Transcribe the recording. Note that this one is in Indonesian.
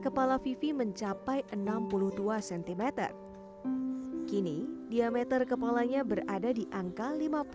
kepala vivi mencapai enam puluh dua cm kini diameter kepalanya berada di angka lima puluh satu cm tapi kondisi ini tak berarti